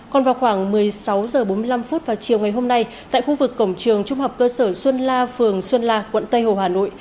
còn vào khoảng một mươi sáu h bốn mươi năm vào chiều ngày hôm nay tại khu vực cổng trường trung học cơ sở xuân la phường xuân la quận tây hồ hà nội